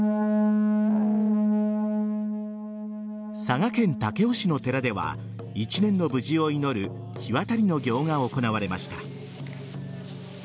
佐賀県武雄市の寺では１年の無事を祈る火渡りの行が行われました。